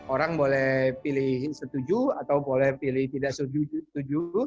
orang boleh pilih setuju atau boleh pilih tidak setuju